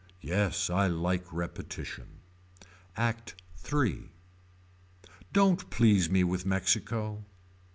Yes I like repetition. ACT III. Don't please me with Mexico.